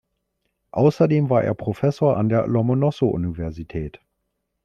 Außerdem war er Professor an der Lomonossow-Universität.